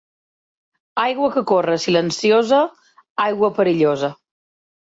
Aigua que corre silenciosa, aigua perillosa.